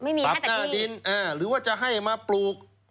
ไม่มีให้แต่ที่ปรับหน้าดินหรือว่าจะให้มาปลูก